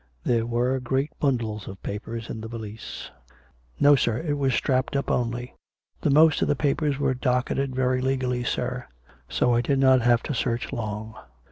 There were great bundles of papers in the valise. ... No, sir, it was strapped up only. ... The most of the jjapers were docketed very legally, sir ; so I did not have to search long.